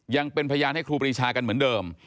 ยังเป็นพยานให้ครูปรีชากันเหมือนเดิม